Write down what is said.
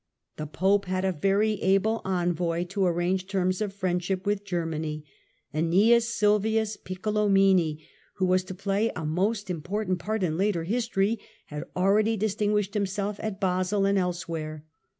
The Pope had a very able envoy to arrange terms of friend ship with Germany, Aeneas Sylvius Piccolomini, who Aeneas was to play a most important part in later history, had ^""'^ already distinguished himself at Basle and elsewhere.